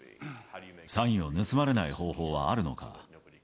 サインを盗まれない方法はあるのか。